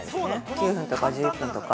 ９分とか１１分とか。